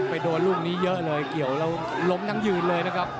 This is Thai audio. โดนลูกนี้เยอะเลยเกี่ยวแล้วล้มทั้งยืนเลยนะครับ